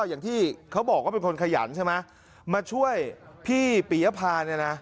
อย่างที่เขาบอกว่าเป็นคนขยันใช่ไหมมาช่วยพี่ปียภาเนี่ยนะ